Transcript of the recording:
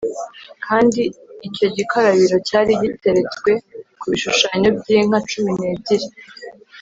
Kandi icyo gikarabiro cyari giteretswe ku bishushanyo by’inka cumi n’ebyiri